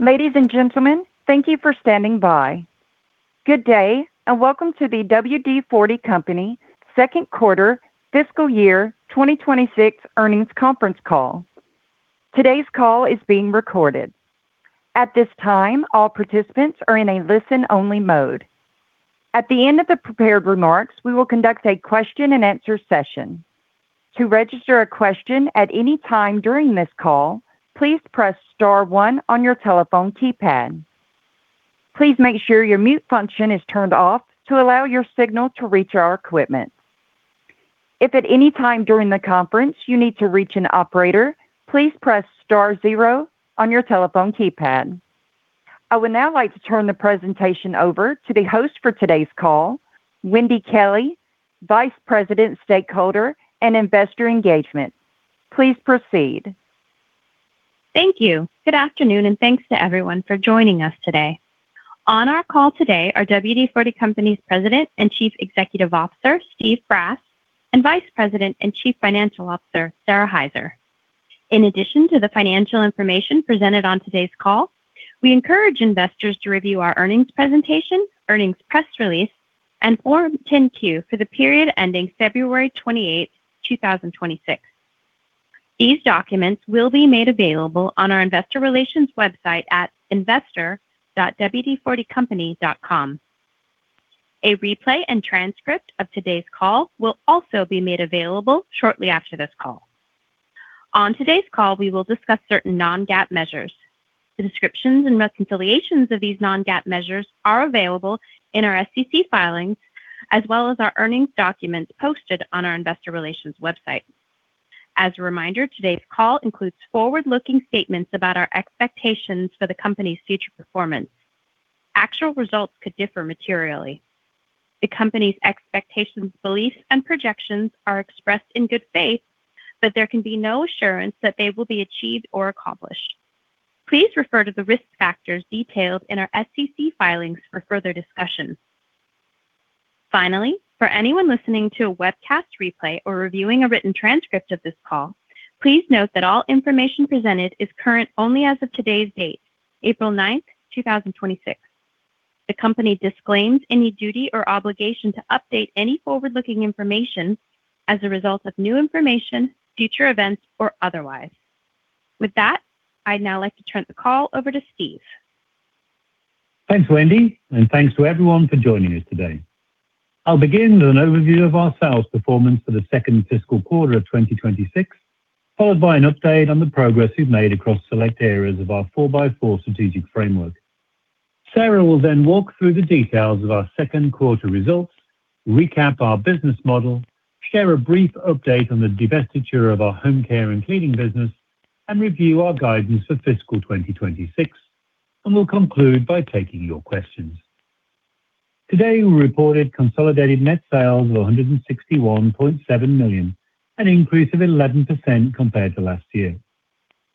Ladies and gentlemen, thank you for standing by. Good day, and welcome to the WD-40 Company second quarter fiscal year 2026 earnings conference call. Today's call is being recorded. At this time, all participants are in a listen-only mode. At the end of the prepared remarks, we will conduct a question and answer session. To register a question at any time during this call, please press star one on your telephone keypad. Please make sure your mute function is turned off to allow your signal to reach our equipment. If at any time during the conference you need to reach an operator, please press star zero on your telephone keypad. I would now like to turn the presentation over to the host for today's call, Wendy Kelley, Vice President, Stakeholder and Investor Engagement. Please proceed. Thank you. Good afternoon, and thanks to everyone for joining us today. On our call today are WD-40 Company's President and Chief Executive Officer, Steve Brass, and Vice President and Chief Financial Officer, Sara Hyzer. In addition to the financial information presented on today's call, we encourage investors to review our earnings presentation, earnings press release, and Form 10-Q for the period ending February 28, 2026. These documents will be made available on our investor relations website at investor.wd40company.com. A replay and transcript of today's call will also be made available shortly after this call. On today's call, we will discuss certain non-GAAP measures. The descriptions and reconciliations of these non-GAAP measures are available in our SEC filings, as well as our earnings documents posted on our investor relations website. As a reminder, today's call includes forward-looking statements about our expectations for the company's future performance. Actual results could differ materially. The company's expectations, beliefs, and projections are expressed in good faith, but there can be no assurance that they will be achieved or accomplished. Please refer to the risk factors detailed in our SEC filings for further discussion. Finally, for anyone listening to a webcast replay or reviewing a written transcript of this call, please note that all information presented is current only as of today's date, April 9th, 2026. The company disclaims any duty or obligation to update any forward-looking information as a result of new information, future events, or otherwise. With that, I'd now like to turn the call over to Steve. Thanks, Wendy, and thanks to everyone for joining us today. I'll begin with an overview of our sales performance for the second fiscal quarter of 2026, followed by an update on the progress we've made across select areas of our Four-by-Four Strategic Framework. Sara will then walk through the details of our second quarter results, recap our business model, share a brief update on the divestiture of our homecare and cleaning business, and review our guidance for fiscal 2026. We'll conclude by taking your questions. Today, we reported consolidated net sales of $161.7 million, an increase of 11% compared to last year.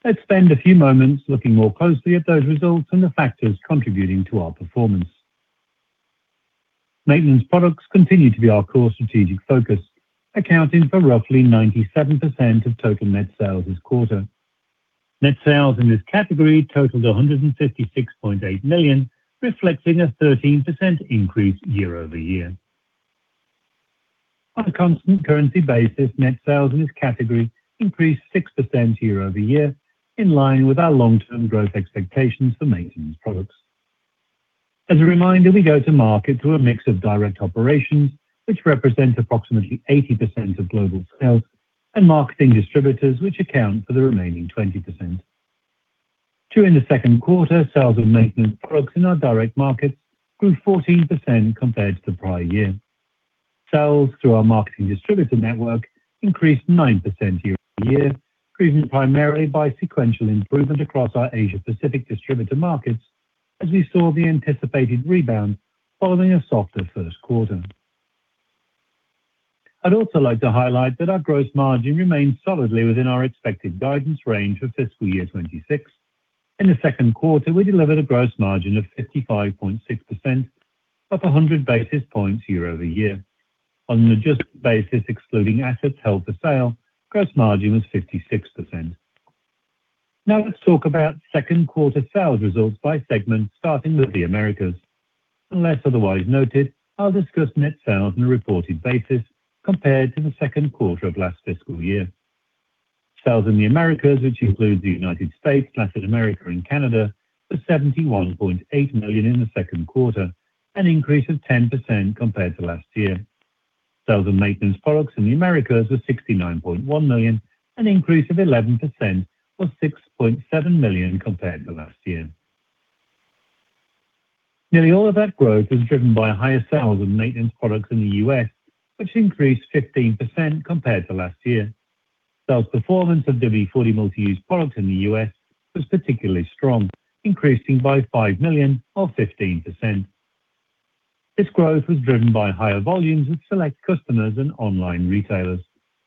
Let's spend a few moments looking more closely at those results and the factors contributing to our performance. Maintenance products continue to be our core strategic focus, accounting for roughly 97% of total net sales this quarter. Net sales in this category totaled $156.8 million, reflecting a 13% increase year-over-year. On a constant currency basis, net sales in this category increased 6% year-over-year, in line with our long-term growth expectations for maintenance products. As a reminder, we go to market through a mix of direct operations, which represent approximately 80% of global sales, and marketing distributors, which account for the remaining 20%. During the second quarter, sales of maintenance products in our direct markets grew 14% compared to the prior year. Sales through our marketing distributor network increased 9% year-over-year, driven primarily by sequential improvement across our Asia-Pacific distributor markets as we saw the anticipated rebound following a softer first quarter. I'd also like to highlight that our gross margin remains solidly within our expected guidance range for fiscal year 2026. In the second quarter, we delivered a gross margin of 55.6%, up 100 basis points year-over-year. On an adjusted basis, excluding assets held for sale, gross margin was 56%. Now let's talk about second quarter sales results by segment, starting with the Americas. Unless otherwise noted, I'll discuss net sales on a reported basis compared to the second quarter of last fiscal year. Sales in the Americas, which includes the United States, Latin America, and Canada, was $71.8 million in the second quarter, an increase of 10% compared to last year. Sales of maintenance products in the Americas was $69.1 million, an increase of 11% or $6.7 million compared to last year. Nearly all of that growth was driven by higher sales of maintenance products in the U.S., which increased 15% compared to last year. Sales performance of WD-40 Multi-Use Products in the U.S. was particularly strong, increasing by $5 million or 15%. This growth was driven by higher volumes with select customers and online retailers,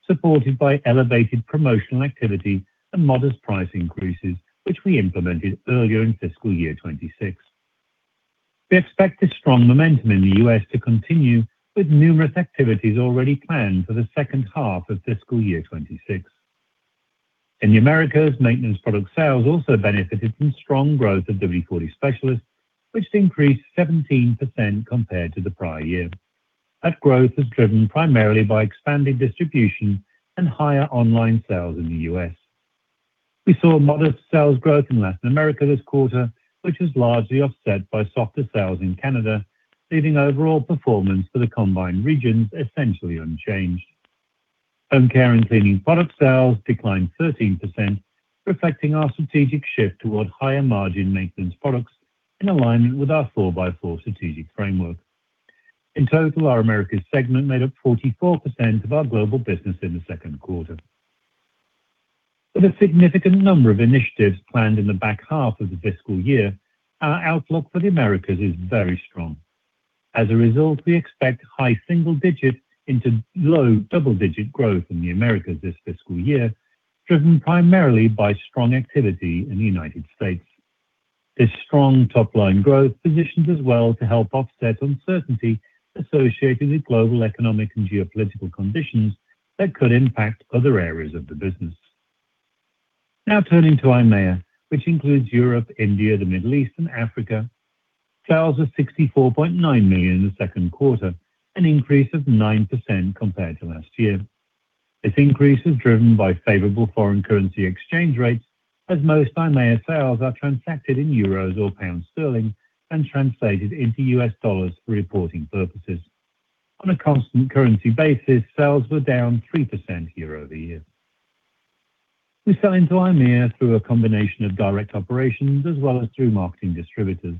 supported by elevated promotional activity and modest price increases, which we implemented earlier in fiscal year 2026. We expect this strong momentum in the U.S. to continue with numerous activities already planned for the second half of fiscal year 2026. In the Americas, maintenance product sales also benefited from strong growth of WD-40 Specialist, which increased 17% compared to the prior year. That growth was driven primarily by expanded distribution and higher online sales in the U.S. We saw modest sales growth in Latin America this quarter, which was largely offset by softer sales in Canada, leaving overall performance for the combined regions essentially unchanged. Homecare and cleaning product sales declined 13%, reflecting our strategic shift toward higher-margin maintenance products in alignment with our Four-by-Four Strategic Framework. In total, our Americas segment made up 44% of our global business in the second quarter. With a significant number of initiatives planned in the back half of the fiscal year, our outlook for the Americas is very strong. As a result, we expect high single digit into low double-digit growth in the Americas this fiscal year, driven primarily by strong activity in the United States. This strong top-line growth positions us well to help offset uncertainty associated with global economic and geopolitical conditions that could impact other areas of the business. Now turning to EIMEA, which includes Europe, India, the Middle East, and Africa. Sales were $64.9 million in the second quarter, an increase of 9% compared to last year. This increase is driven by favorable foreign currency exchange rates as most EIMEA sales are transacted in euros or pound sterling and translated into U.S. dollars for reporting purposes. On a constant currency basis, sales were down 3% year-over-year. We sell into EIMEA through a combination of direct operations as well as through marketing distributors.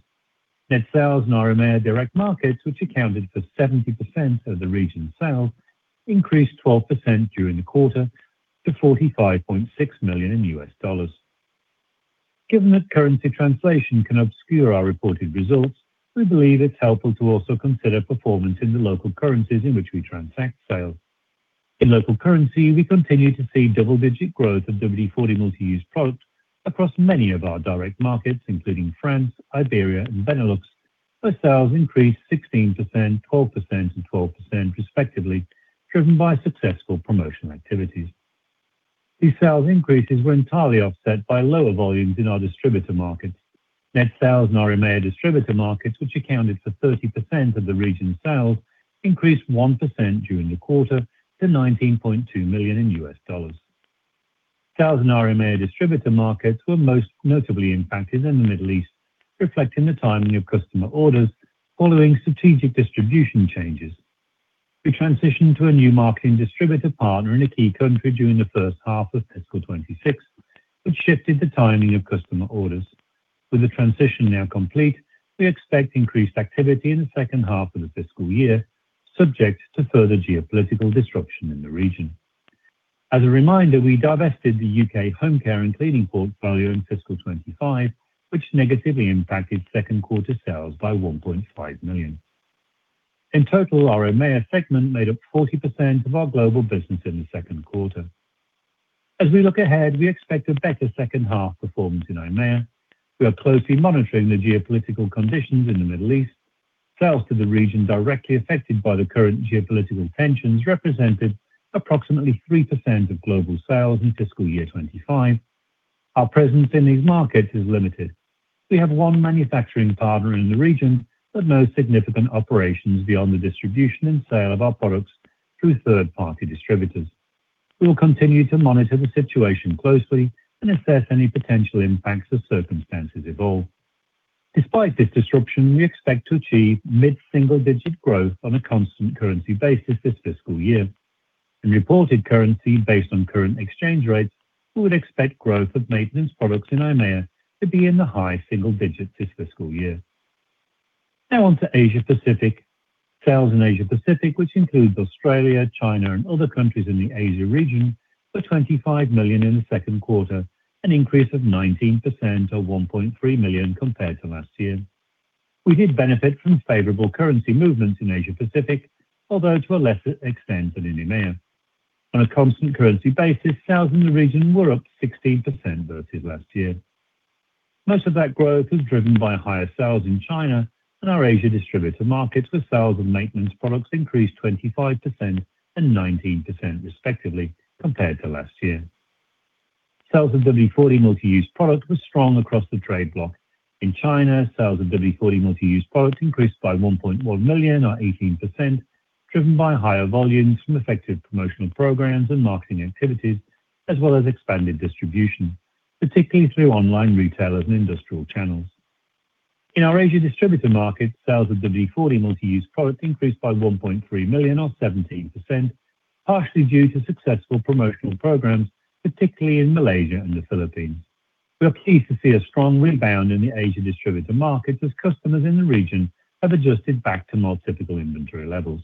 Net sales in our EIMEA direct markets, which accounted for 70% of the region's sales, increased 12% during the quarter to $45.6 million in U.S. dollars. Given that currency translation can obscure our reported results, we believe it's helpful to also consider performance in the local currencies in which we transact sales. In local currency, we continue to see double-digit growth of WD-40 Multi-Use Product across many of our direct markets, including France, Iberia, and Benelux, where sales increased 16%, 12%, and 12% respectively, driven by successful promotional activities. These sales increases were entirely offset by lower volumes in our distributor markets. Net sales in our EIMEA distributor markets, which accounted for 30% of the region's sales, increased 1% during the quarter to $19.2 million in U.S. dollars. Sales in our EIMEA distributor markets were most notably impacted in the Middle East, reflecting the timing of customer orders following strategic distribution changes. We transitioned to a new marketing distributor partner in a key country during the first half of fiscal 2026, which shifted the timing of customer orders. With the transition now complete, we expect increased activity in the second half of the fiscal year, subject to further geopolitical disruption in the region. As a reminder, we divested the U.K. homecare and cleaning portfolio in fiscal 2025, which negatively impacted second-quarter sales by $1.5 million. In total, our EIMEA segment made up 40% of our global business in the second quarter. As we look ahead, we expect a better second half performance in EIMEA. We are closely monitoring the geopolitical conditions in the Middle East. Sales to the region directly affected by the current geopolitical tensions represented approximately 3% of global sales in FY 2025. Our presence in these markets is limited. We have one manufacturing partner in the region with no significant operations beyond the distribution and sale of our products through third-party distributors. We will continue to monitor the situation closely and assess any potential impacts as circumstances evolve. Despite this disruption, we expect to achieve mid-single-digit growth on a constant currency basis this fiscal year. In reported currency based on current exchange rates, we would expect growth of maintenance products in EIMEA to be in the high single digits this fiscal year. Now on to Asia-Pacific. Sales in Asia-Pacific, which includes Australia, China, and other countries in the Asia region, were $25 million in the second quarter, an increase of 19% or $1.3 million compared to last year. We did benefit from favorable currency movements in Asia-Pacific, although to a lesser extent than in EIMEA. On a constant currency basis, sales in the region were up 16% versus last year. Most of that growth was driven by higher sales in China and our Asia distributor markets, where sales of maintenance products increased 25% and 19% respectively compared to last year. Sales of WD-40 Multi-Use Product were strong across the trade block. In China, sales of WD-40 Multi-Use Product increased by $1.1 million or 18%, driven by higher volumes from effective promotional programs and marketing activities, as well as expanded distribution, particularly through online retailers and industrial channels. In our Asia distributor markets, sales of WD-40 Multi-Use Product increased by $1.3 million or 17%, partially due to successful promotional programs, particularly in Malaysia and the Philippines. We are pleased to see a strong rebound in the Asia distributor markets as customers in the region have adjusted back to more typical inventory levels.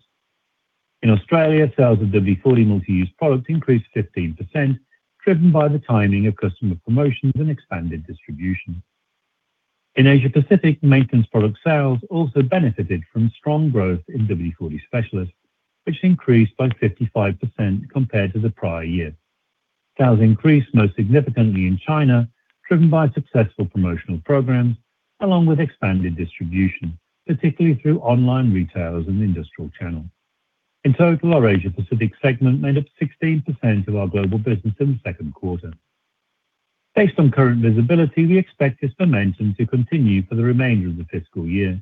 In Australia, sales of WD-40 Multi-Use Product increased 15%, driven by the timing of customer promotions and expanded distribution. In Asia-Pacific, maintenance product sales also benefited from strong growth in WD-40 Specialist, which increased by 55% compared to the prior year. Sales increased most significantly in China, driven by successful promotional programs along with expanded distribution, particularly through online retailers and industrial channels. In total, our Asia-Pacific segment made up 16% of our global business in the second quarter. Based on current visibility, we expect this momentum to continue for the remainder of the fiscal year.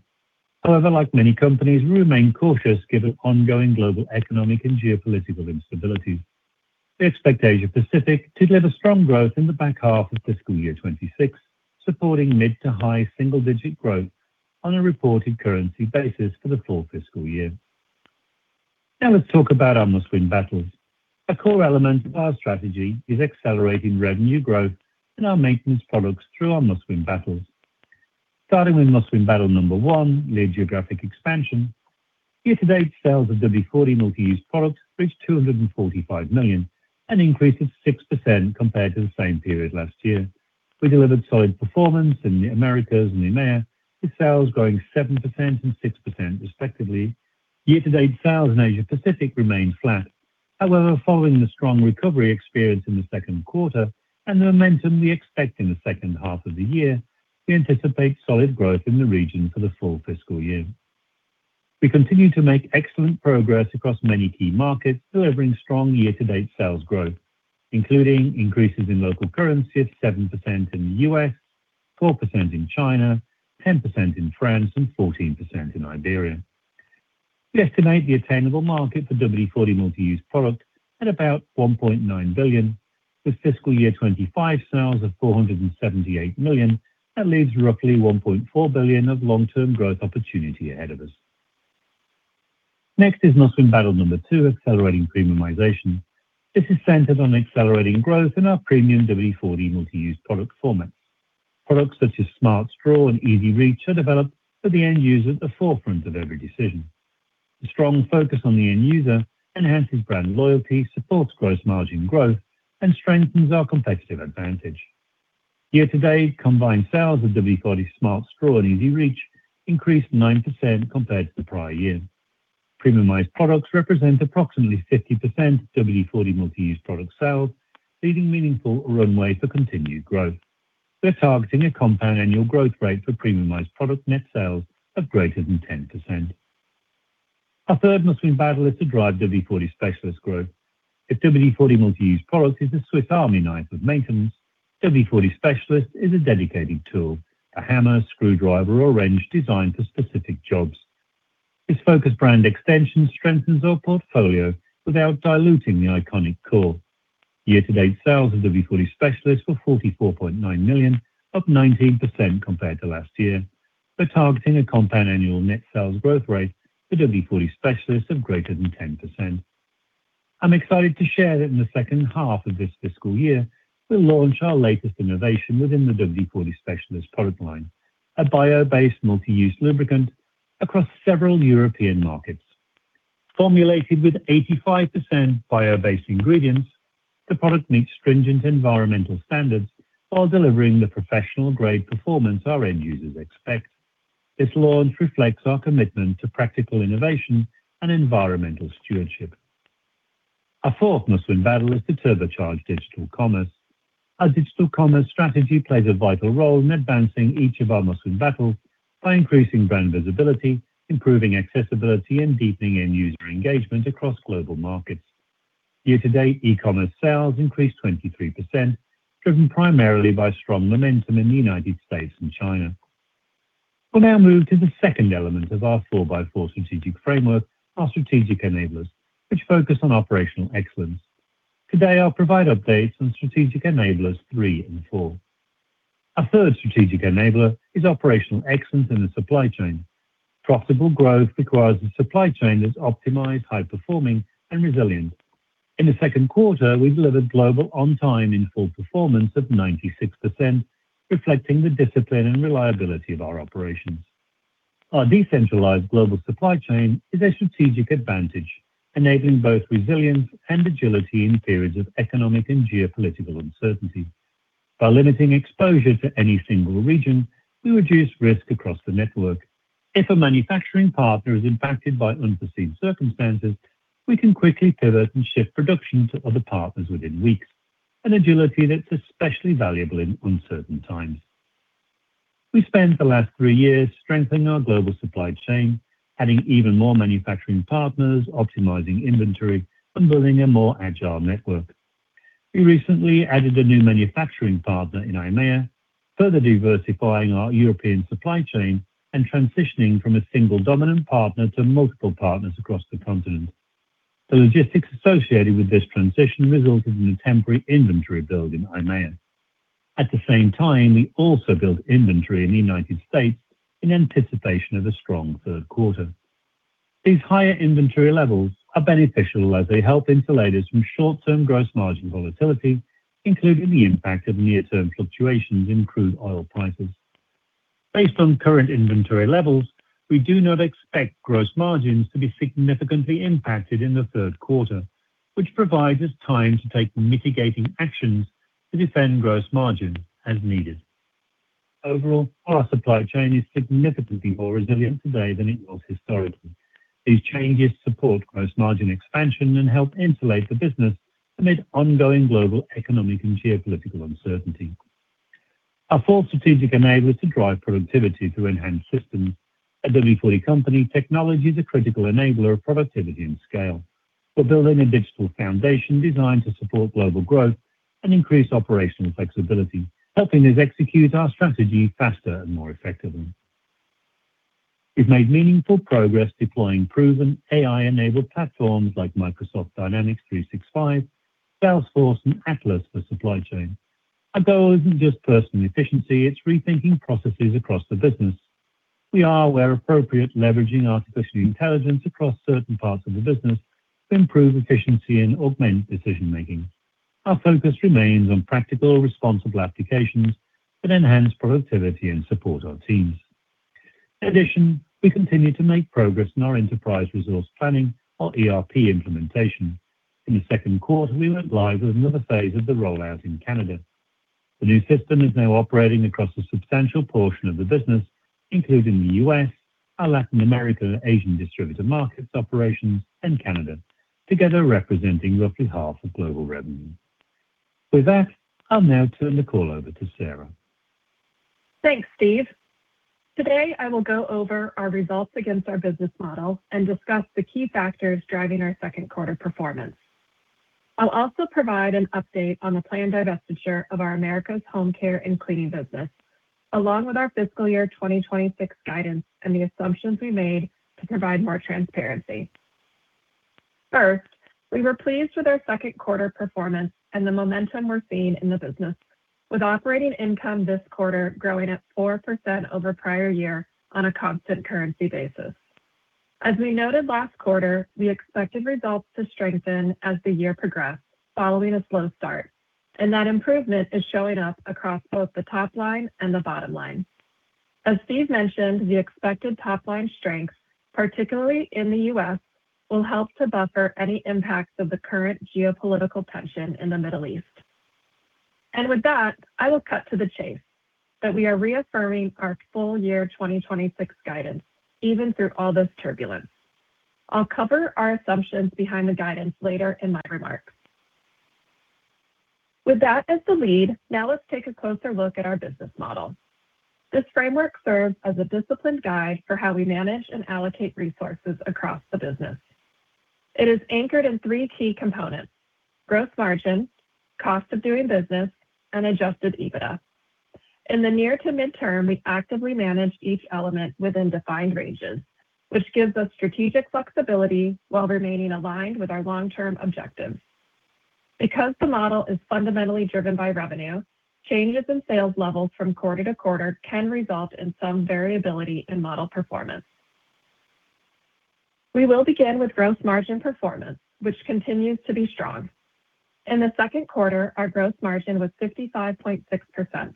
However, like many companies, we remain cautious given ongoing global economic and geopolitical instability. We expect Asia Pacific to deliver strong growth in the back half of fiscal year 2026, supporting mid to high single-digit growth on a reported currency basis for the full fiscal year. Now let's talk about our Must-Win Battles. A core element of our strategy is accelerating revenue growth in our maintenance products through our Must-Win Battles. Starting with Must-Win Battle number one, lead geographic expansion. Year-to-date sales of WD-40 Multi-Use Products reached $245 million, an increase of 6% compared to the same period last year. We delivered solid performance in the Americas and EIMEA, with sales growing 7% and 6% respectively. Year-to-date sales in Asia-Pacific remained flat. However, following the strong recovery experienced in the second quarter and the momentum we expect in the second half of the year, we anticipate solid growth in the region for the full fiscal year. We continue to make excellent progress across many key markets, delivering strong year-to-date sales growth, including increases in local currency of 7% in the U.S., 4% in China, 10% in France, and 14% in Iberia. We estimate the attainable market for WD-40 Multi-Use Product at about $1.9 billion, with fiscal year 2025 sales of $478 million. That leaves roughly $1.4 billion of long-term growth opportunity ahead of us. Next is Must-Win Battle number two, accelerating premiumization. This is centered on accelerating growth in our premium WD-40 Multi-Use Product formats. Products such as Smart Straw and EZ-REACH are developed with the end user at the forefront of every decision. A strong focus on the end user enhances brand loyalty, supports gross margin growth, and strengthens our competitive advantage. Year-to-date, combined sales of WD-40 Smart Straw and EZ-REACH increased 9% compared to the prior year. Premiumized products represent approximately 50% of WD-40 Multi-Use Product sales, leaving meaningful runway for continued growth. We're targeting a compound annual growth rate for premiumized product net sales of greater than 10%. Our third Must Win Battle is to drive WD-40 Specialist growth. If WD-40 Multi-Use Product is a Swiss Army knife of maintenance, WD-40 Specialist is a dedicated tool, a hammer, screwdriver, or wrench designed for specific jobs. This focused brand extension strengthens our portfolio without diluting the iconic core. Year-to-date sales of WD-40 Specialist were $44.9 million, up 19% compared to last year. We're targeting a compound annual net sales growth rate for WD-40 Specialist of greater than 10%. I'm excited to share that in the second half of this fiscal year, we'll launch our latest innovation within the WD-40 Specialist product line, a bio-based multi-use lubricant across several European markets. Formulated with 85% bio-based ingredients, the product meets stringent environmental standards while delivering the professional-grade performance our end users expect. This launch reflects our commitment to practical innovation and environmental stewardship. Our fourth Must-Win Battle is to turbocharge digital commerce. Our digital commerce strategy plays a vital role in advancing each of our Must-Win Battles by increasing brand visibility, improving accessibility, and deepening end user engagement across global markets. Year-to-date, e-commerce sales increased 23%, driven primarily by strong momentum in the United States and China. We'll now move to the second element of our Four-by-Four Strategic Framework, our strategic enablers, which focus on operational excellence. Today, I'll provide updates on strategic enablers three and four. Our third strategic enabler is operational excellence in the supply chain. Profitable growth requires a supply chain that's optimized, high-performing, and resilient. In the second quarter, we delivered global on-time in-full performance of 96%, reflecting the discipline and reliability of our operations. Our decentralized global supply chain is a strategic advantage, enabling both resilience and agility in periods of economic and geopolitical uncertainty. By limiting exposure to any single region, we reduce risk across the network. If a manufacturing partner is impacted by unforeseen circumstances, we can quickly pivot and shift production to other partners within weeks, an agility that's especially valuable in uncertain times. We spent the last three years strengthening our global supply chain, adding even more manufacturing partners, optimizing inventory, and building a more agile network. We recently added a new manufacturing partner in EIMEA, further diversifying our European supply chain and transitioning from a single dominant partner to multiple partners across the continent. The logistics associated with this transition resulted in a temporary inventory build in EIMEA. At the same time, we also built inventory in the United States in anticipation of a strong third quarter. These higher inventory levels are beneficial as they help insulate us from short-term gross margin volatility, including the impact of near-term fluctuations in crude oil prices. Based on current inventory levels, we do not expect gross margins to be significantly impacted in the third quarter, which provides us time to take mitigating actions to defend gross margin as needed. Overall, our supply chain is significantly more resilient today than it was historically. These changes support gross margin expansion and help insulate the business amid ongoing global economic and geopolitical uncertainty. Our fourth strategic enabler is to drive productivity through enhanced systems. At WD-40 Company, technology is a critical enabler of productivity and scale. We're building a digital foundation designed to support global growth and increase operational flexibility, helping us execute our strategy faster and more effectively. We've made meaningful progress deploying proven AI-enabled platforms like Microsoft Dynamics 365, Salesforce, and Atlas for supply chain. Our goal isn't just personal efficiency, it's rethinking processes across the business. We are, where appropriate, leveraging artificial intelligence across certain parts of the business to improve efficiency and augment decision-making. Our focus remains on practical, responsible applications that enhance productivity and support our teams. In addition, we continue to make progress in our enterprise resource planning, or ERP, implementation. In the second quarter, we went live with another phase of the rollout in Canada. The new system is now operating across a substantial portion of the business, including the U.S., our Latin America, Asian distributor markets operations, and Canada, together representing roughly 1/2 of global revenue. With that, I'll now turn the call over to Sara. Thanks, Steve. Today, I will go over our results against our business model and discuss the key factors driving our second quarter performance. I'll also provide an update on the planned divestiture of our Americas homecare and cleaning business, along with our fiscal year 2026 guidance and the assumptions we made to provide more transparency. First, we were pleased with our second quarter performance and the momentum we're seeing in the business, with operating income this quarter growing at 4% over prior year on a constant currency basis. As we noted last quarter, we expected results to strengthen as the year progressed, following a slow start, and that improvement is showing up across both the top line and the bottom line. As Steve mentioned, the expected top-line strength, particularly in the U.S., will help to buffer any impacts of the current geopolitical tension in the Middle East. With that, I will cut to the chase, that we are reaffirming our full year 2026 guidance, even through all this turbulence. I'll cover our assumptions behind the guidance later in my remarks. With that as the lead, now let's take a closer look at our business model. This framework serves as a disciplined guide for how we manage and allocate resources across the business. It is anchored in three key components, gross margin, cost of doing business, and Adjusted EBITDA. In the near to midterm, we actively manage each element within defined ranges, which gives us strategic flexibility while remaining aligned with our long-term objectives. Because the model is fundamentally driven by revenue, changes in sales levels from quarter to quarter can result in some variability in model performance. We will begin with gross margin performance, which continues to be strong. In the second quarter, our gross margin was 55.6%,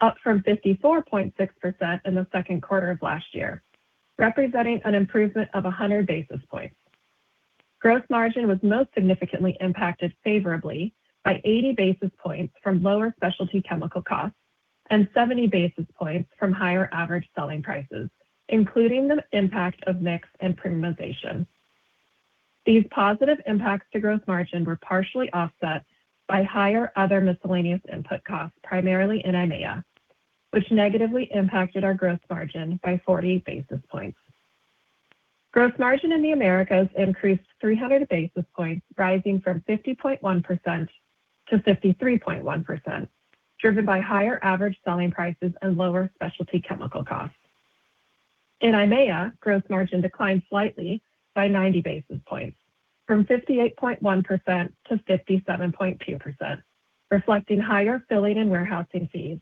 up from 54.6% in the second quarter of last year, representing an improvement of 100 basis points. Gross margin was most significantly impacted favorably by 80 basis points from lower specialty chemical costs and 70 basis points from higher average selling prices, including the impact of mix and premiumization. These positive impacts to gross margin were partially offset by higher other miscellaneous input costs, primarily in EIMEA, which negatively impacted our gross margin by 40 basis points. Gross margin in the Americas increased 300 basis points, rising from 50.1% to 53.1%, driven by higher average selling prices and lower specialty chemical costs. In EIMEA, gross margin declined slightly by 90 basis points from 58.1% to 57.2%, reflecting higher filling and warehousing fees,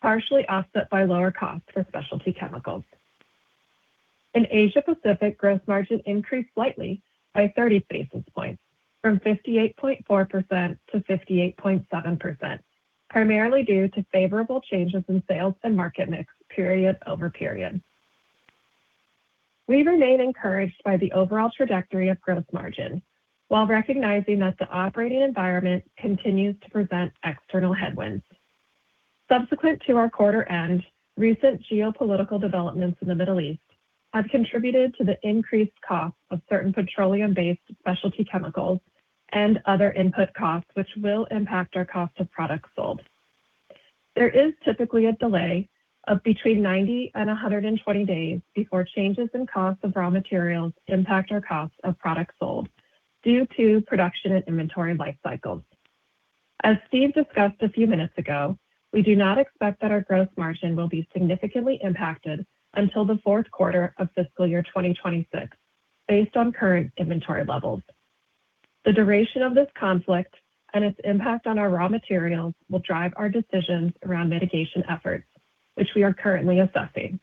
partially offset by lower costs for specialty chemicals. In Asia-Pacific, gross margin increased slightly by 30 basis points from 58.4% to 58.7%, primarily due to favorable changes in sales and market mix period-over-period. We remain encouraged by the overall trajectory of gross margin, while recognizing that the operating environment continues to present external headwinds. Subsequent to our quarter end, recent geopolitical developments in the Middle East have contributed to the increased cost of certain petroleum-based specialty chemicals and other input costs, which will impact our cost of products sold. There is typically a delay of between 90 and 120 days before changes in cost of raw materials impact our cost of products sold due to production and inventory life cycles. As Steve discussed a few minutes ago, we do not expect that our gross margin will be significantly impacted until the fourth quarter of fiscal year 2026, based on current inventory levels. The duration of this conflict and its impact on our raw materials will drive our decisions around mitigation efforts, which we are currently assessing.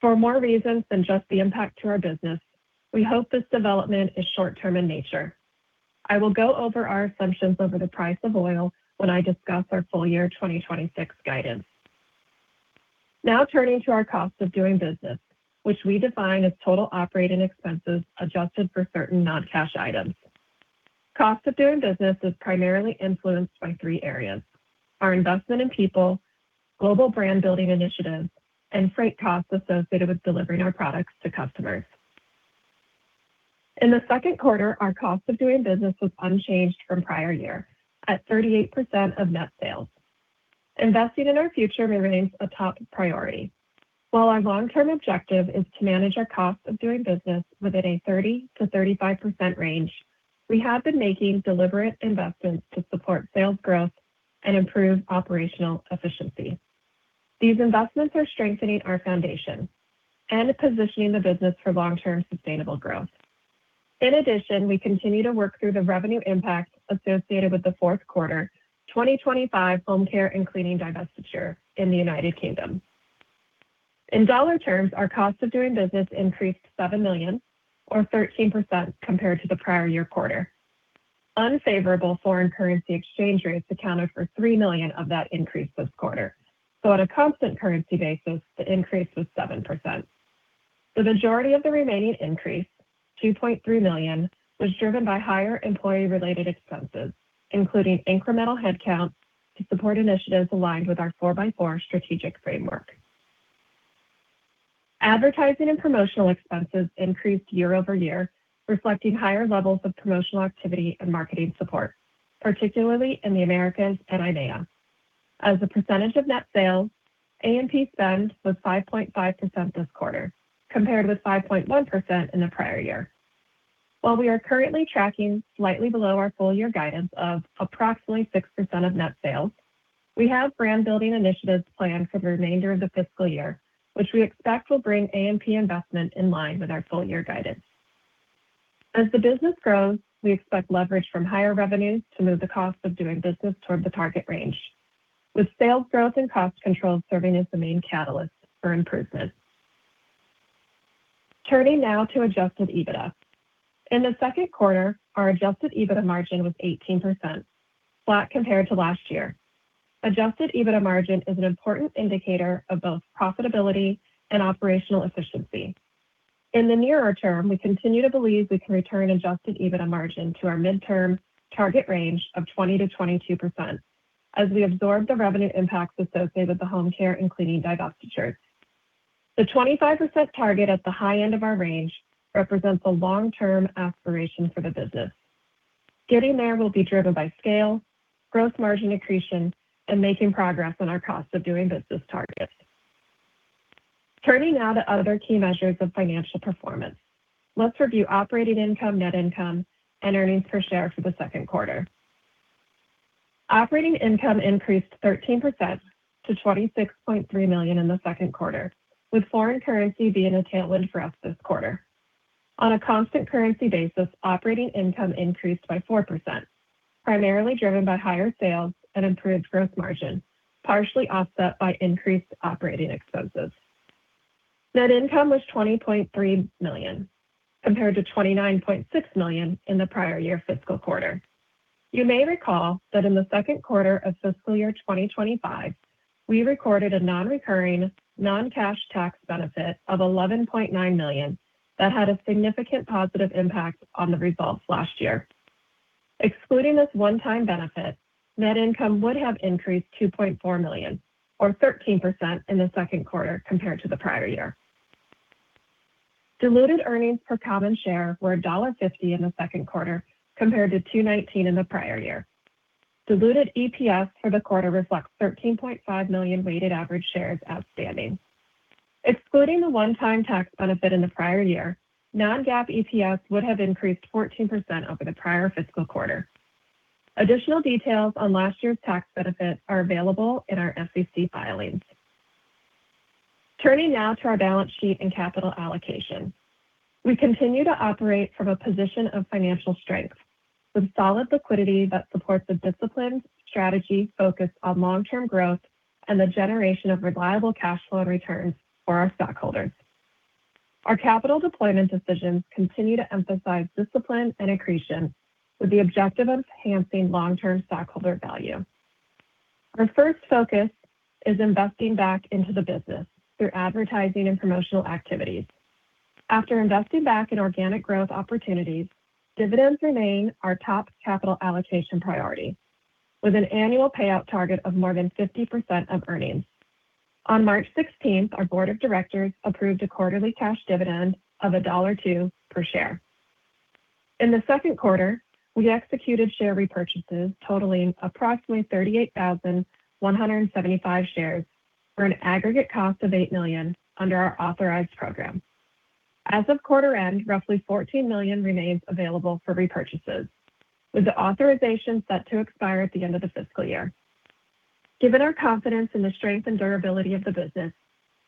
For more reasons than just the impact to our business, we hope this development is short-term in nature. I will go over our assumptions over the price of oil when I discuss our full year 2026 guidance. Now turning to our cost of doing business, which we define as total operating expenses adjusted for certain non-cash items. Cost of doing business is primarily influenced by three areas, our investment in people, global brand-building initiatives, and freight costs associated with delivering our products to customers. In the second quarter, our cost of doing business was unchanged from prior year at 38% of net sales. Investing in our future remains a top priority. While our long-term objective is to manage our cost of doing business within a 30%-35% range, we have been making deliberate investments to support sales growth and improve operational efficiency. These investments are strengthening our foundation and positioning the business for long-term sustainable growth. In addition, we continue to work through the revenue impact associated with the fourth quarter 2025 homecare and cleaning divestiture in the United Kingdom. In dollar terms, our cost of doing business increased $7 million or 13% compared to the prior year quarter. Unfavorable foreign currency exchange rates accounted for $3 million of that increase this quarter. On a constant currency basis, the increase was 7%. The majority of the remaining increase, $2.3 million, was driven by higher employee-related expenses, including incremental headcounts to support initiatives aligned with our Four-by-Four Strategic Framework. Advertising and promotional expenses increased year-over-year, reflecting higher levels of promotional activity and marketing support, particularly in the Americas and EIMEA. As a percentage of net sales, A&P spend was 5.5% this quarter, compared with 5.1% in the prior year. While we are currently tracking slightly below our full-year guidance of approximately 6% of net sales, we have brand-building initiatives planned for the remainder of the fiscal year, which we expect will bring A&P investment in line with our full-year guidance. As the business grows, we expect leverage from higher revenues to move the cost of doing business towards the target range, with sales growth and cost control serving as the main catalyst for improvement. Turning now to Adjusted EBITDA. In the second quarter, our adjusted EBITDA margin was 18%, flat compared to last year. Adjusted EBITDA margin is an important indicator of both profitability and operational efficiency. In the nearer term, we continue to believe we can return adjusted EBITDA margin to our midterm target range of 20%-22% as we absorb the revenue impacts associated with the homecare and cleaning divestitures. The 25% target at the high end of our range represents a long-term aspiration for the business. Getting there will be driven by scale, gross margin accretion, and making progress on our cost of doing business targets. Turning now to other key measures of financial performance. Let's review operating income, net income and earnings per share for the second quarter. Operating income increased 13% to $26.3 million in the second quarter, with foreign currency being a tailwind for us this quarter. On a constant currency basis, operating income increased by 4%, primarily driven by higher sales and improved gross margin, partially offset by increased operating expenses. Net income was $20.3 million, compared to $29.6 million in the prior year fiscal quarter. You may recall that in the second quarter of fiscal year 2025, we recorded a non-recurring, non-cash tax benefit of $11.9 million that had a significant positive impact on the results last year. Excluding this one-time benefit, net income would have increased $2.4 million or 13% in the second quarter compared to the prior year. Diluted earnings per common share were $1.50 in the second quarter compared to $2.19 in the prior year. Diluted EPS for the quarter reflects 13.5 million weighted average shares outstanding. Excluding the one-time tax benefit in the prior year, non-GAAP EPS would have increased 14% over the prior fiscal quarter. Additional details on last year's tax benefit are available in our SEC filings. Turning now to our balance sheet and capital allocation. We continue to operate from a position of financial strength with solid liquidity that supports a disciplined strategy focused on long-term growth and the generation of reliable cash flow returns for our stockholders. Our capital deployment decisions continue to emphasize discipline and accretion with the objective of enhancing long-term stockholder value. Our first focus is investing back into the business through advertising and promotional activities. After investing back in organic growth opportunities, dividends remain our top capital allocation priority, with an annual payout target of more than 50% of earnings. On March 16th, our Board of Directors approved a quarterly cash dividend of $1.02 per share. In the second quarter, we executed share repurchases totaling approximately 38,175 shares for an aggregate cost of $8 million under our authorized program. As of quarter end, roughly $14 million remains available for repurchases, with the authorization set to expire at the end of the fiscal year. Given our confidence in the strength and durability of the business,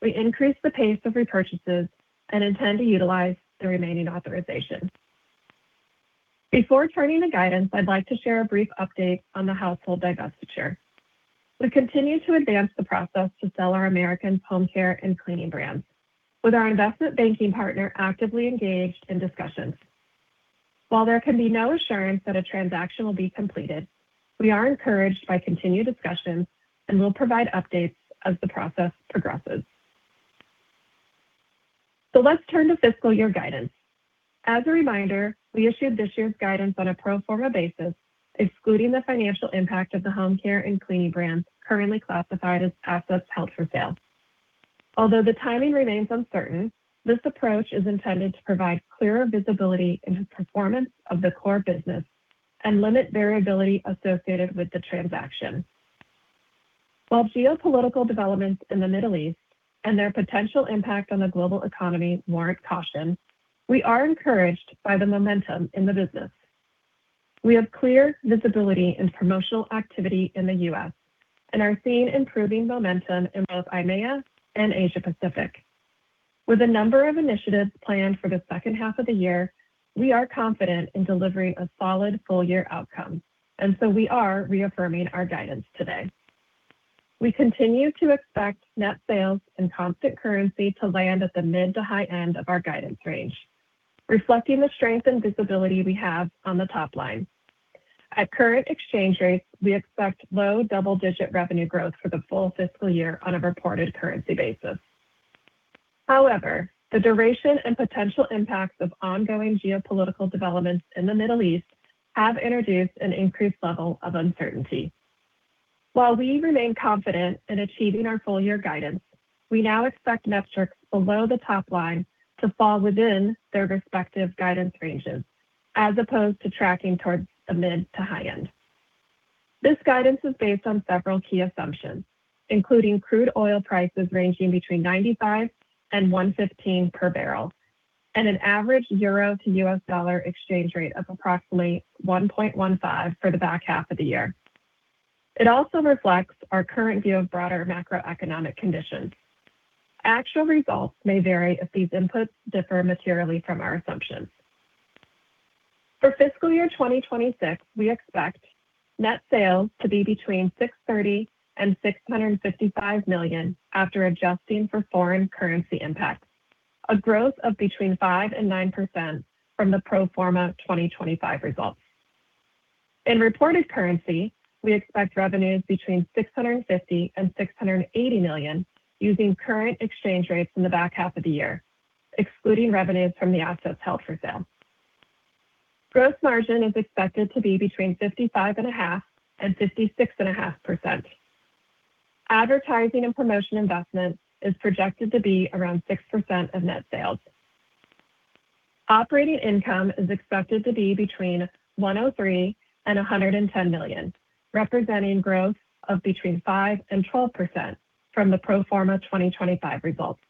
we increased the pace of repurchases and intend to utilize the remaining authorization. Before turning to guidance, I'd like to share a brief update on the household divestiture. We continue to advance the process to sell our American homecare and cleaning brands, with our investment banking partner actively engaged in discussions. While there can be no assurance that a transaction will be completed, we are encouraged by continued discussions and will provide updates as the process progresses. Let's turn to fiscal year guidance. As a reminder, we issued this year's guidance on a pro forma basis, excluding the financial impact of the homecare and cleaning brands currently classified as assets held for sale. Although the timing remains uncertain, this approach is intended to provide clearer visibility into performance of the core business and limit variability associated with the transaction. While geopolitical developments in the Middle East and their potential impact on the global economy warrant caution, we are encouraged by the momentum in the business. We have clear visibility in promotional activity in the U.S. and are seeing improving momentum in both EIMEA and Asia-Pacific. With a number of initiatives planned for the second half of the year, we are confident in delivering a solid full-year outcome, and so we are reaffirming our guidance today. We continue to expect net sales and constant currency to land at the mid to high end of our guidance range, reflecting the strength and visibility we have on the top line. At current exchange rates, we expect low double-digit revenue growth for the full fiscal year on a reported currency basis. However, the duration and potential impacts of ongoing geopolitical developments in the Middle East have introduced an increased level of uncertainty. While we remain confident in achieving our full year guidance, we now expect metrics below the top line to fall within their respective guidance ranges as opposed to tracking towards the mid to high end. This guidance is based on several key assumptions, including crude oil prices ranging between $95 and $115 per barrel, and an average euro to U.S. dollar exchange rate of approximately 1.15 for the back half of the year. It also reflects our current view of broader macroeconomic conditions. Actual results may vary if these inputs differ materially from our assumptions. For fiscal year 2026, we expect net sales to be between $630 million and $655 million after adjusting for foreign currency impacts, a growth of between 5% and 9% from the pro forma 2025 results. In reported currency, we expect revenues between $650 million and $680 million using current exchange rates in the back half of the year, excluding revenues from the assets held for sale. Gross margin is expected to be between 55.5% and 56.5%. Advertising and promotion investment is projected to be around 6% of net sales. Operating income is expected to be between $103 million and $110 million, representing growth of between 5% and 12% from the pro forma 2025 results.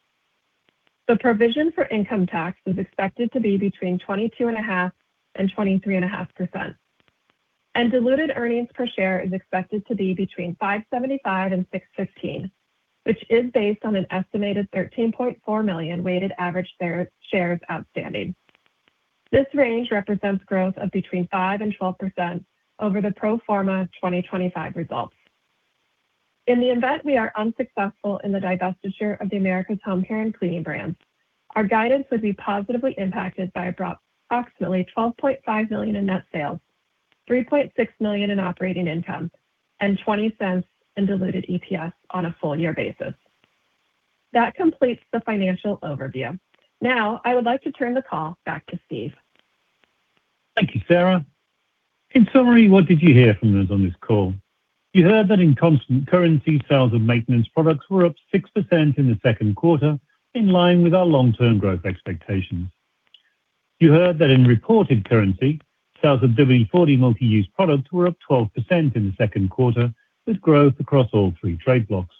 The provision for income tax is expected to be between 22.5% and 23.5%, and diluted earnings per share is expected to be between $5.75 and $6.15, which is based on an estimated 13.4 million weighted average shares outstanding. This range represents growth of between 5% and 12% over the pro forma 2025 results. In the event we are unsuccessful in the divestiture of the Americas homecare and cleaning brands, our guidance would be positively impacted by approximately $12.5 million in net sales, $3.6 million in operating income, and $0.20 in diluted EPS on a full year basis. That completes the financial overview. Now, I would like to turn the call back to Steve. Thank you, Sara. In summary, what did you hear from us on this call? You heard that in constant currency, sales of maintenance products were up 6% in the second quarter, in line with our long-term growth expectations. You heard that in reported currency, sales of WD-40 Multi-Use Product were up 12% in the second quarter, with growth across all three trade blocks.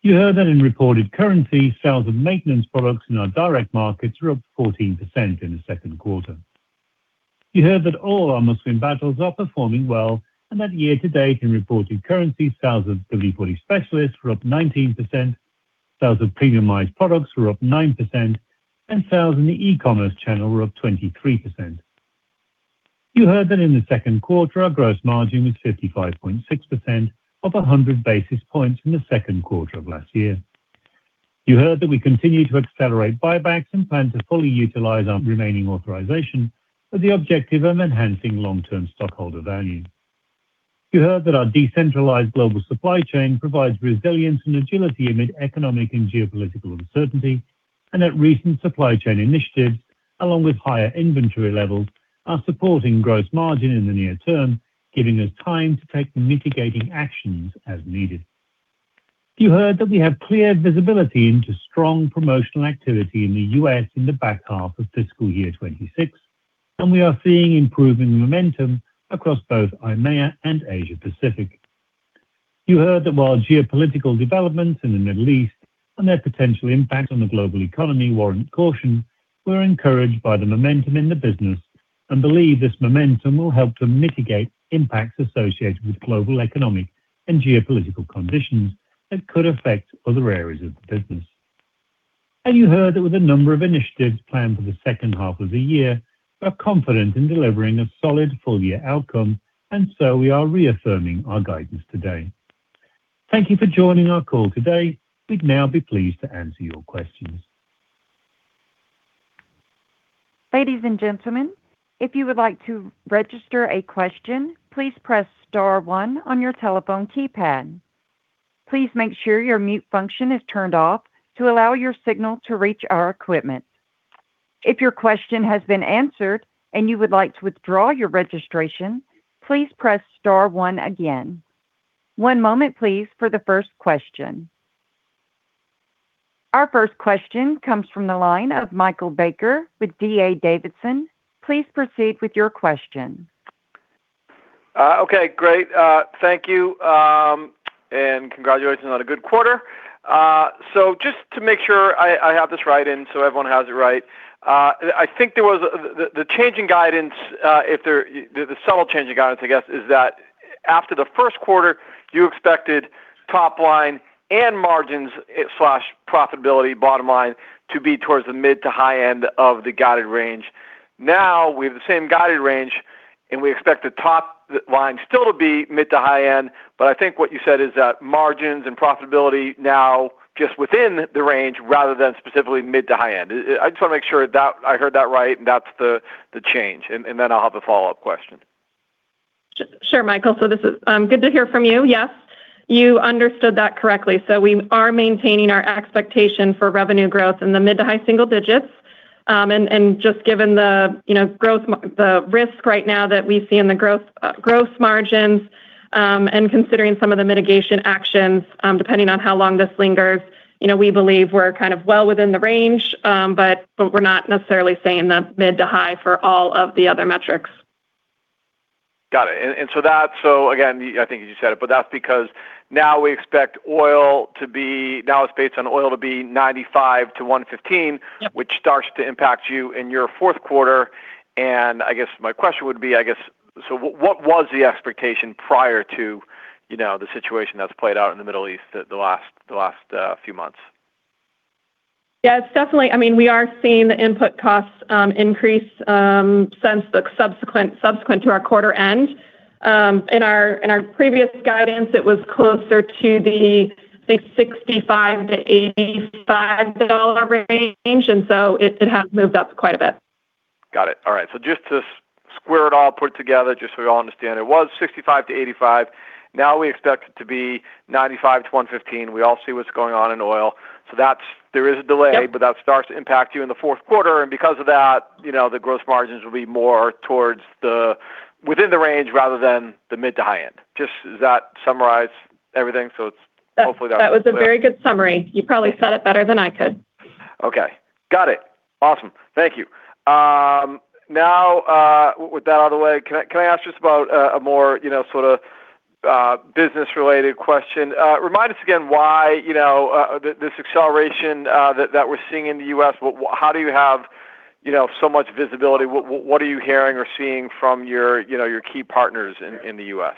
You heard that in reported currency, sales of maintenance products in our direct markets were up 14% in the second quarter. You heard that all our Must-Win Battles are performing well and that year to date, in reported currency, sales of WD-40 Specialist were up 19%, sales of premiumized products were up 9%, and sales in the e-commerce channel were up 23%. You heard that in the second quarter, our gross margin was 55.6%, up 100 basis points from the second quarter of last year. You heard that we continue to accelerate buybacks and plan to fully utilize our remaining authorization with the objective of enhancing long-term stockholder value. You heard that our decentralized global supply chain provides resilience and agility amid economic and geopolitical uncertainty, and that recent supply chain initiatives, along with higher inventory levels, are supporting gross margin in the near term, giving us time to take mitigating actions as needed. You heard that we have clear visibility into strong promotional activity in the U.S. in the back half of fiscal year 2026, and we are seeing improving momentum across both EIMEA and Asia-Pacific. You heard that while geopolitical developments in the Middle East and their potential impact on the global economy warrant caution, we're encouraged by the momentum in the business and believe this momentum will help to mitigate impacts associated with global economic and geopolitical conditions that could affect other areas of the business. You heard that with a number of initiatives planned for the second half of the year, we are confident in delivering a solid full year outcome, and so we are reaffirming our guidance today. Thank you for joining our call today. We'd now be pleased to answer your questions. Ladies and gentlemen, if you would like to register a question, please press star one on your telephone keypad. Please make sure your mute function is turned off to allow your signal to reach our equipment. If your question has been answered and you would like to withdraw your registration, please press star one again. One moment, please, for the first question. Our first question comes from the line of Michael Baker with D.A. Davidson. Please proceed with your question. Okay, great. Thank you, and congratulations on a good quarter. Just to make sure I have this right and so everyone has it right. I think the changing guidance, the subtle change in guidance, I guess, is that after the first quarter, you expected top line and margins/profitability bottom line to be towards the mid to high end of the guided range. Now, we have the same guided range, and we expect the top line still to be mid to high end. I think what you said is that margins and profitability now just within the range rather than specifically mid to high end. I just want to make sure I heard that right and that's the change. Then I'll have a follow-up question. Sure, Michael. Good to hear from you. Yes, you understood that correctly. We are maintaining our expectation for revenue growth in the mid- to high-single digits. Just given the risk right now that we see in the gross margins, and considering some of the mitigation actions, depending on how long this lingers, we believe we're kind of well within the range, but we're not necessarily saying the mid- to high- for all of the other metrics. Got it. I think as you said, but that's because now it's based on oil to be $95-$115- Yep.... Which starts to impact you in your fourth quarter. I guess my question would be, so what was the expectation prior to the situation that's played out in the Middle East the last few months? Yeah, it's definitely. I mean, we are seeing the input costs increase subsequent to our quarter end. In our previous guidance, it was closer to the, I think, $65-$85 range, and so it has moved up quite a bit. Got it. All right. Just to square it all, put it together, just so we all understand. It was $65-$85. Now we expect it to be $95-$115. We all see what's going on in oil. There is a delay. Yep.... That starts to impact you in the fourth quarter. Because of that, the gross margins will be more towards the within the range rather than the mid to high end. Just does that summarize everything? It's hopefully that was clear. That was a very good summary. You probably said it better than I could. Okay. Got it. Awesome. Thank you. Now, with that out of the way, can I ask just about a more sort of business-related question? Remind us again why this acceleration that we're seeing in the U.S., how do you have so much visibility? What are you hearing or seeing from your key partners in the U.S.?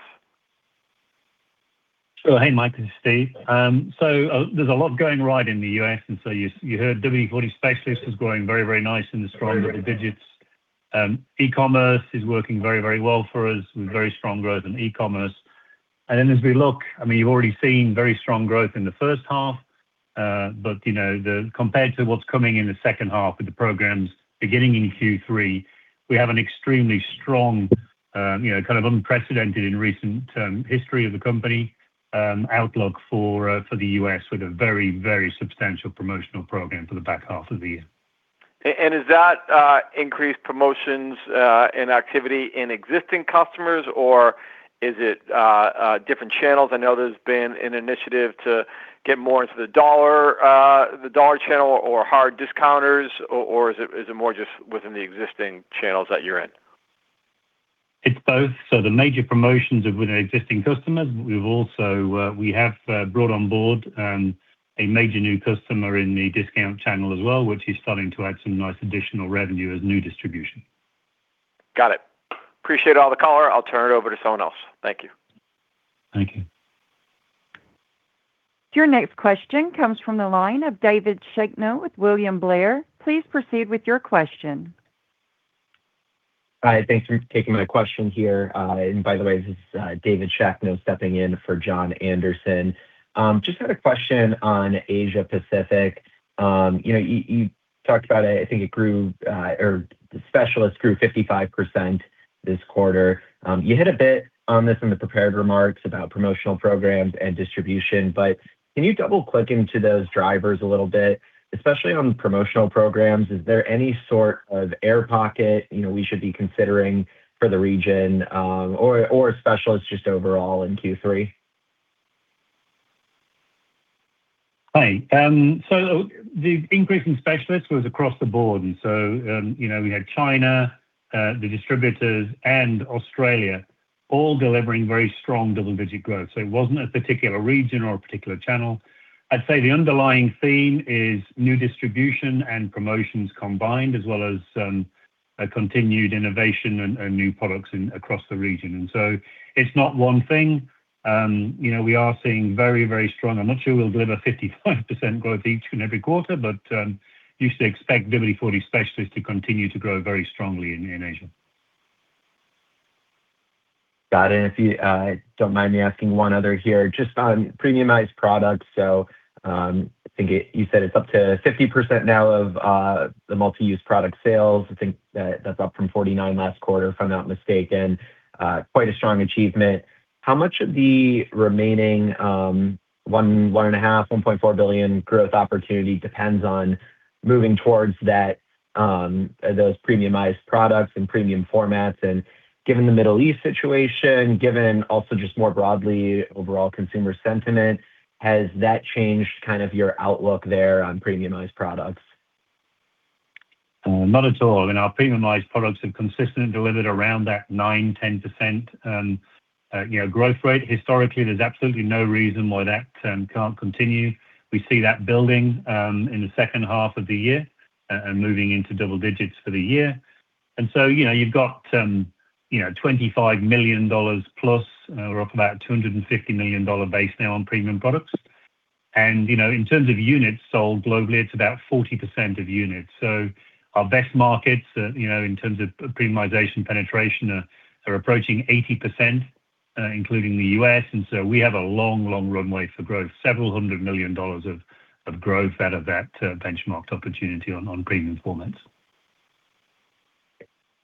Oh, hey, Mike, this is Steve. There's a lot going right in the U.S. You heard WD-40 Specialist is growing very, very nice in the strong double digits. E-commerce is working very, very well for us, with very strong growth in e-commerce. As we look, I mean, you've already seen very strong growth in the first half, but compared to what's coming in the second half with the programs beginning in Q3, we have an extremely strong kind of unprecedented in recent history of the company outlook for the U.S., with a very, very substantial promotional program for the back half of the year. Is that increased promotions and activity in existing customers, or is it different channels? I know there's been an initiative to get more into the dollar channel or hard discounters, or is it more just within the existing channels that you're in? It's both. The major promotions are with our existing customers. We've also brought on board, a major new customer in the discount channel as well, which is starting to add some nice additional revenue as new distribution. Got it. Appreciate all the color. I'll turn it over to someone else. Thank you. Thank you. Your next question comes from the line of David Shakno with William Blair. Please proceed with your question. Hi, thanks for taking my question here. By the way, this is David Shakno stepping in for Jon Andersen. Just had a question on Asia-Pacific. You talked about it, I think it grew, or the Specialist grew 55% this quarter. You hit a bit on this in the prepared remarks about promotional programs and distribution, but can you double-click into those drivers a little bit, especially on the promotional programs? Is there any sort of air pocket we should be considering for the region, or Specialist just overall in Q3? Hi. The increase in Specialist was across the board. We had China, the distributors, and Australia all delivering very strong double-digit growth. It wasn't a particular region or a particular channel. I'd say the underlying theme is new distribution and promotions combined, as well as a continued innovation and new products across the region. It's not one thing. We are seeing very strong. I'm not sure we'll deliver 55% growth each and every quarter, but you should expect WD-40 Specialist to continue to grow very strongly in Asia. Got it. If you don't mind me asking one other here, just on premiumized products. I think you said it's up to 50% now of the Multi-Use Product sales. I think that's up from 49% last quarter, if I'm not mistaken. Quite a strong achievement. How much of the remaining $1.5 billion, $1.4 billion growth opportunity depends on moving towards those premiumized products and premium formats? Given the Middle East situation, given also just more broadly overall consumer sentiment, has that changed kind of your outlook there on premiumized products? Not at all. I mean, our premiumized products have consistently delivered around that 9%-10% growth rate historically. There's absolutely no reason why that can't continue. We see that building in the second half of the year and moving into double digits for the year. You've got $25 million+. We're off about $250 million base now on premium products. In terms of units sold globally, it's about 40% of units. Our best markets, in terms of premiumization penetration, are approaching 80%, including the U.S. We have a long runway for growth, several hundred million dollars of growth out of that benchmarked opportunity on premium formats.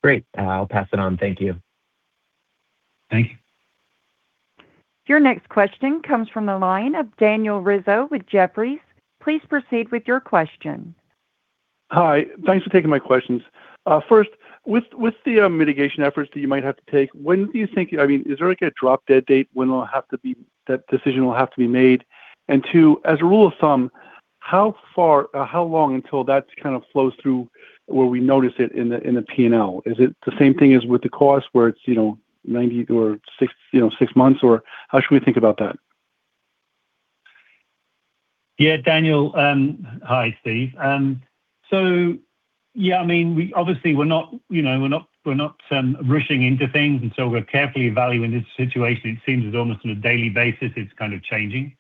Great. I'll pass it on. Thank you. Thank you. Your next question comes from the line of Daniel Rizzo with Jefferies. Please proceed with your question. Hi. Thanks for taking my questions. First, with the mitigation efforts that you might have to take, is there like a drop-dead date when that decision will have to be made? Two, as a rule of thumb, how long until that kind of flows through where we notice it in the P&L? Is it the same thing as with the cost where it's 90 or six months? Or how should we think about that? Yeah. Daniel, hi. Steve. Yeah, I mean, obviously we're not rushing into things, and we're carefully evaluating this situation. It seems almost on a daily basis, it's kind of changing.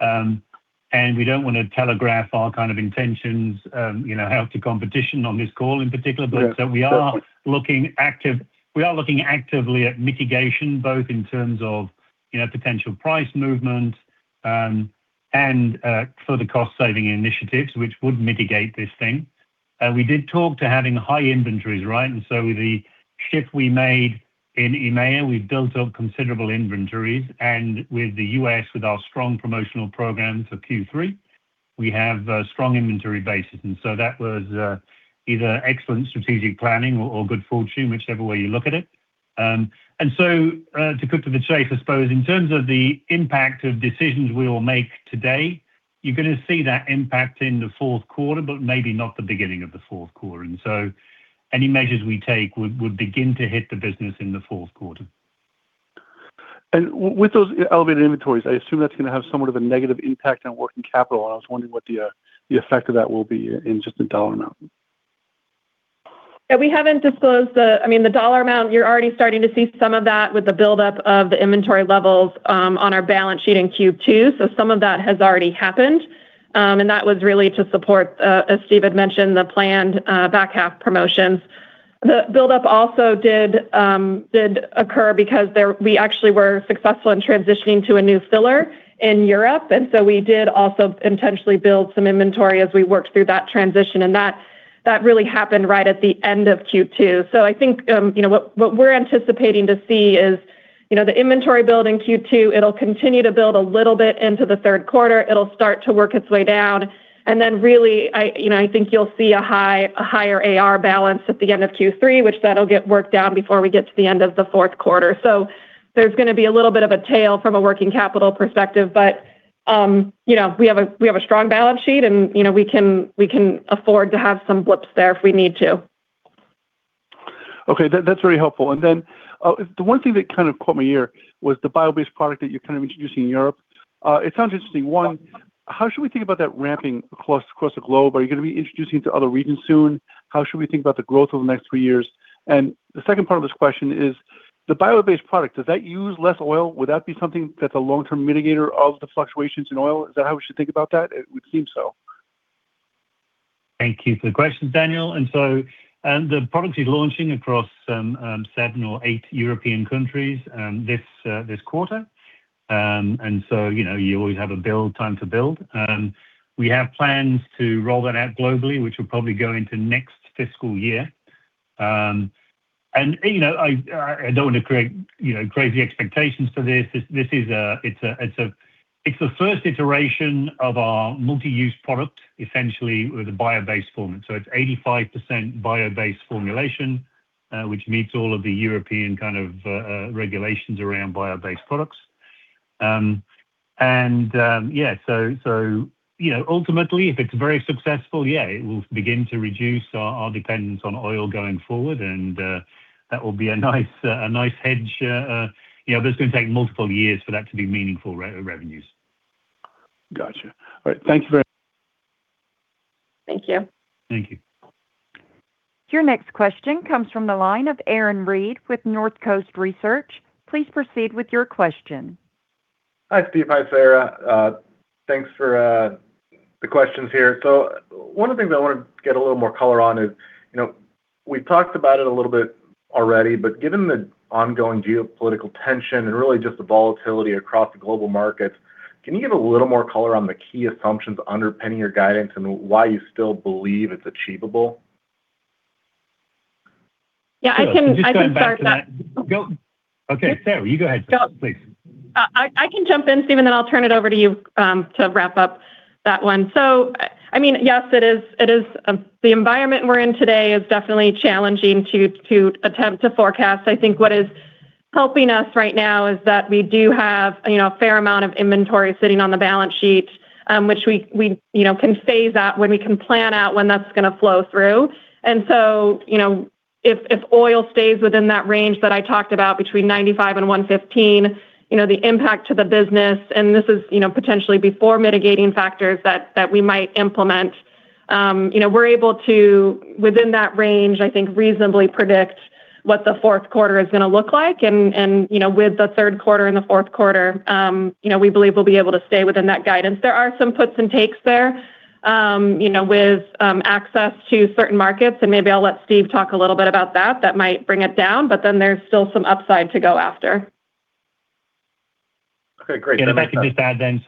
We don't want to telegraph our kind of intentions out to competition on this call in particular. Yeah, fair. We are looking actively at mitigation, both in terms of potential price movement, and further cost saving initiatives, which would mitigate this thing. We did talked about having high inventories, right? With the shift we made in EMEA, we've built up considerable inventories, and with the U.S., with our strong promotional program for Q3, we have a strong inventory basis. That was either excellent strategic planning or good fortune, whichever way you look at it. To cut to the chase, I suppose, in terms of the impact of decisions we will make today, you're going to see that impact in the fourth quarter, but maybe not the beginning of the fourth quarter. Any measures we take would begin to hit the business in the fourth quarter. With those elevated inventories, I assume that's going to have somewhat of a negative impact on working capital, and I was wondering what the effect of that will be in just the dollar amount. Yeah, we haven't disclosed the dollar amount. You're already starting to see some of that with the buildup of the inventory levels on our balance sheet in Q2. Some of that has already happened. That was really to support, as Steve had mentioned, the planned back half promotions. The buildup also did occur because we actually were successful in transitioning to a new filler in Europe. We did also intentionally build some inventory as we worked through that transition. That really happened right at the end of Q2. I think what we're anticipating to see is the inventory build in Q2, it'll continue to build a little bit into the third quarter. It'll start to work its way down. Really, I think you'll see a higher AR balance at the end of Q3, which that'll get worked out before we get to the end of the fourth quarter. There's going to be a little bit of a tail from a working capital perspective, but we have a strong balance sheet, and we can afford to have some blips there if we need to. Okay. That's very helpful. The one thing that kind of caught me here was the bio-based product that you're kind of introducing in Europe. It sounds interesting. One, how should we think about that ramping across the globe? Are you going to be introducing it to other regions soon? How should we think about the growth over the next few years? The second part of this question is, the bio-based product, does that use less oil? Would that be something that's a long-term mitigator of the fluctuations in oil? Is that how we should think about that? It would seem so. Thank you for the questions, Daniel. The product is launching across seven or eight European countries this quarter. You always have a build time to build. We have plans to roll that out globally, which will probably go into next fiscal year. I don't want to create crazy expectations for this. It's the first iteration of our multi-use product, essentially, with a bio-based format. It's 85% bio-based formulation, which meets all of the European kind of regulations around bio-based products. Ultimately, if it's very successful, it will begin to reduce our dependence on oil going forward, and that will be a nice hedge. It's going to take multiple years for that to be meaningful revenues. Got you. All right. Thank you very much. Thank you. Thank you. Your next question comes from the line of Aaron Reed with Northcoast Research. Please proceed with your question. Hi Steve, hi Sara. Thanks for the questions here. One of the things I want to get a little more color on is, we've talked about it a little bit already, but given the ongoing geopolitical tension and really just the volatility across the global markets, can you give a little more color on the key assumptions underpinning your guidance and why you still believe it's achievable? Yeah, I can start that. Just going back to that. Okay, Sara, you go ahead, please. I can jump in, Steve, and then I'll turn it over to you to wrap up that one. Yes, the environment we're in today is definitely challenging to attempt to forecast. I think what is helping us right now is that we do have a fair amount of inventory sitting on the balance sheet, which we can phase out when we can plan out when that's going to flow through. If oil stays within that range that I talked about, between $95 and $115, the impact to the business, and this is potentially before mitigating factors that we might implement, we're able to, within that range, I think, reasonably predict what the fourth quarter is going to look like and, with the third quarter and the fourth quarter, we believe we'll be able to stay within that guidance. There are some puts and takes there with access to certain markets, and maybe I'll let Steve talk a little bit about that. That might bring it down, but then there's still some upside to go after. Okay, great. Yeah. If I could just add then.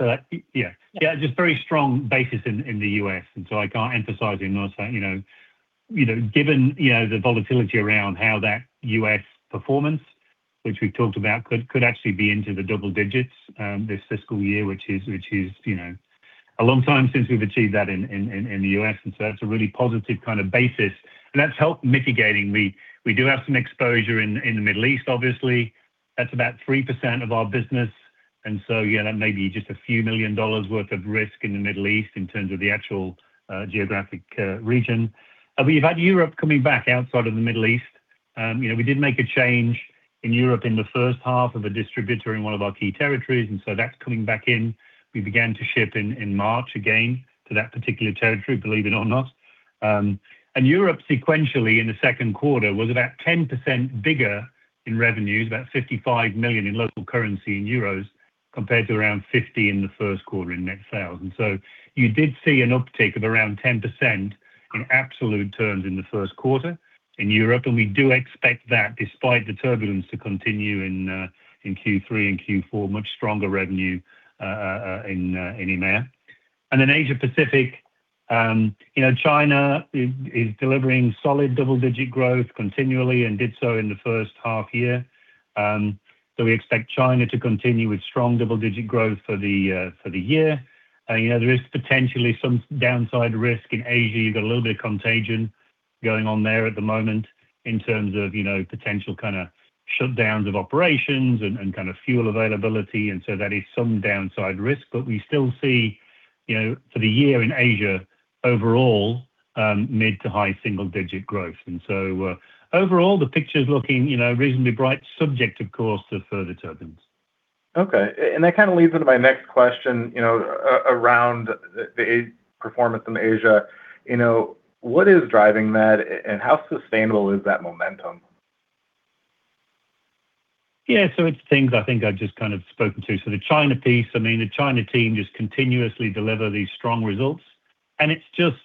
Yeah, just very strong basis in the U.S., I can't emphasize enough, given the volatility around how that U.S. performance, which we've talked about, could actually be into the double digits this fiscal year, which is a long time since we've achieved that in the U.S. That's a really positive kind of basis, and that's helped mitigating. We do have some exposure in the Middle East, obviously. That's about 3% of our business, that may be just a few million U.S. dollars worth of risk in the Middle East in terms of the actual geographic region. We've had Europe coming back outside of the Middle East. We did make a change in Europe in the first half, of a distributor in one of our key territories, that's coming back in. We began to ship in March again to that particular territory, believe it or not. Europe sequentially in the second quarter was about 10% bigger in revenues, 55 million in local currency in euros, compared to around 50 million in the first quarter in net sales. You did see an uptick of around 10% in absolute terms in the first quarter in Europe, and we do expect that, despite the turbulence, to continue in Q3 and Q4, much stronger revenue in EMEA. Then Asia-Pacific, China is delivering solid double-digit growth continually and did so in the first half year. We expect China to continue with strong double-digit growth for the year. There is potentially some downside risk in Asia. You've got a little bit of contagion going on there at the moment in terms of potential kind of shutdowns of operations and kind of fuel availability, and so that is some downside risk. We still see for the year in Asia overall, mid to high single digit growth. Overall, the picture's looking reasonably bright, subject of course, to further turbulence. Okay. That kind of leads into my next question, around the performance in Asia. What is driving that, and how sustainable is that momentum? Yeah, so it's things I think I've just kind of spoken to. The China piece, the China team just continuously deliver these strong results, and it's just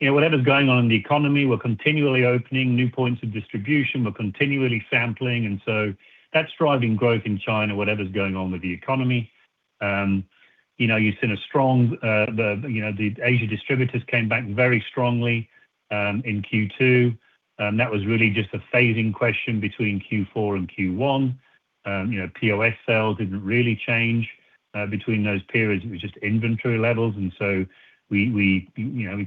whatever's going on in the economy, we're continually opening new points of distribution, we're continually sampling, and so that's driving growth in China, whatever's going on with the economy. You've seen a strong. The Asia distributors came back very strongly in Q2. That was really just a phasing question between Q4 and Q1. POS sales didn't really change between those periods. It was just inventory levels. We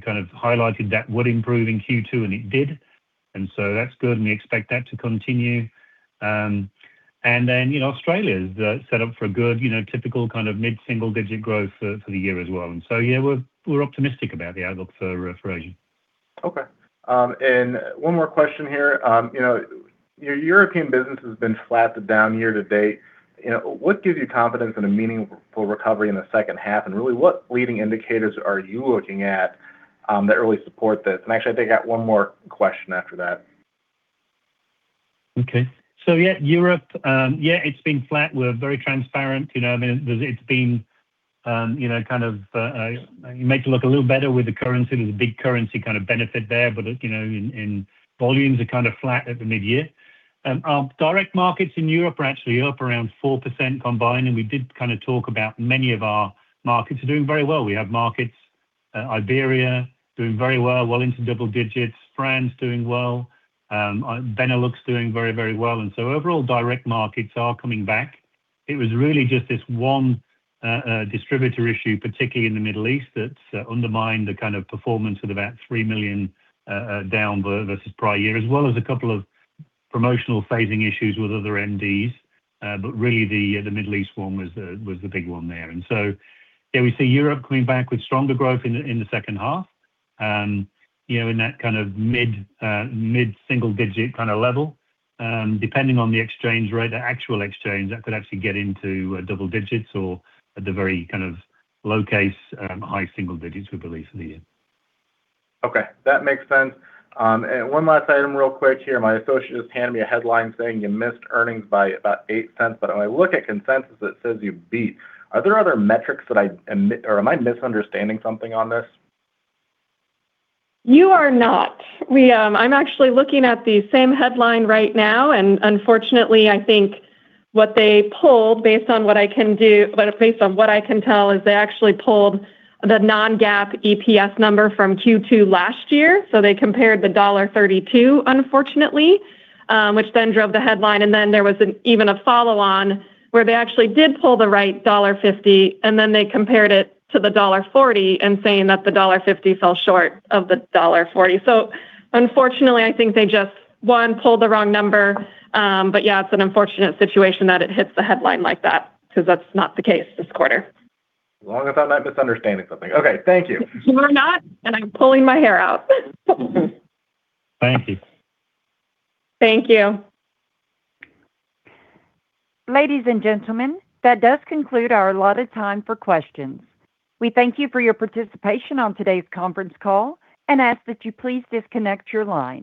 kind of highlighted that would improve in Q2, and it did. That's good, and we expect that to continue. Australia is set up for a good typical kind of mid-single-digit growth for the year as well. Yeah, we're optimistic about the outlook for Asia. Okay. One more question here. Your European business has been flat to down year to date. What gives you confidence in a meaningful recovery in the second half, and really what leading indicators are you looking at that really support this? Actually, I got one more question after that. Okay. Yeah, Europe. Yeah, it's been flat. We're very transparent. It's been kind of, you make it look a little better with the currency. There's a big currency kind of benefit there, but volumes are kind of flat at the mid-year. Our direct markets in Europe are actually up around 4% combined, and we did kind of talk about many of our markets are doing very well. We have markets, Iberia, doing very well, well into double digits. France doing well. Benelux doing very, very well, and so overall direct markets are coming back. It was really just this one distributor issue, particularly in the Middle East, that's undermined the kind of performance at about $3 million down versus prior year, as well as a couple of promotional phasing issues with other MDs. But really the Middle East one was the big one there. Yeah, we see Europe coming back with stronger growth in the second half. In that kind of mid-single-digit kind of level. Depending on the exchange rate, the actual exchange, that could actually get into double digits or at the very kind of low case, high single digits, we believe for the year. Okay. That makes sense. One last item real quick here. My associate just handed me a headline saying you missed earnings by about $0.08, but when I look at consensus, it says you beat. Are there other metrics, or am I misunderstanding something on this? You are not. I'm actually looking at the same headline right now, and unfortunately, I think what they pulled based on what I can tell is they actually pulled the non-GAAP EPS number from Q2 last year. They compared the $1.32, unfortunately, which then drove the headline, and then there was even a follow-on where they actually did pull the right $1.50, and then they compared it to the $1.40 and saying that the $1.50 fell short of the $1.40. Unfortunately, I think they just, one, pulled the wrong number, but yeah, it's an unfortunate situation that it hits the headline like that because that's not the case this quarter. As long as I'm not misunderstanding something. Okay. Thank you. You are not, and I'm pulling my hair out. Thank you. Thank you. Ladies and gentlemen, that does conclude our allotted time for questions. We thank you for your participation on today's conference call and ask that you please disconnect your line.